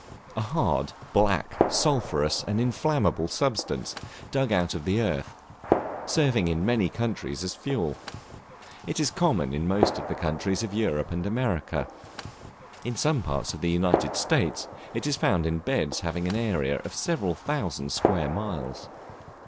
A hard, black, sulphurous and inflammable substance, dug out of the earth, serving in many countries as fuel. It is common in most of the countries of Europe and America. In some parts of the United States, it is found in beds having an area of several thousand square miles.